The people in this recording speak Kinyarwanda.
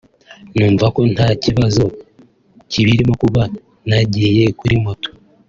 numva ko nta kibazo kibirimo kuba naragiye kuri moto